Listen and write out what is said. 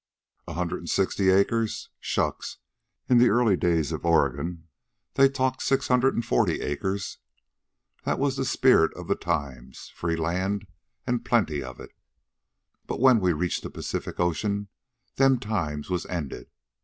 A hundred an' sixty acres? Shucks. In the early days in Oregon they talked six hundred an' forty acres. That was the spirit of them times free land, an' plenty of it. But when we reached the Pacific Ocean them times was ended.